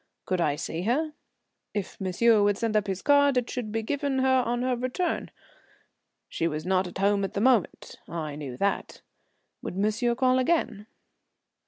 Could I see her? If monsieur would send up his card, it should be given her on her return. She was not at home for the moment. (I knew that.) Would monsieur call again?